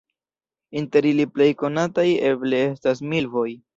Inter ili plej konataj eble estas milvoj.